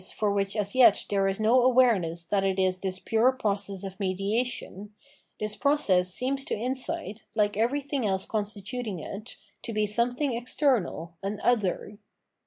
for which as yet there is no awareness that it is this pure process of mediation, this process seems to insight, hke ever 3 d;hing else consti tuting it, to be something external, an other.